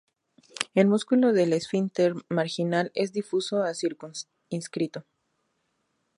El músculo del esfínter marginal es difuso a circunscrito.